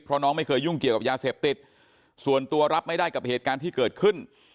เพราะน้องไม่เคยยุ่งเกี่ยวกับยาเสพติดส่วนตัวรับไม่ได้กับเหตุการณ์ที่เกิดขึ้น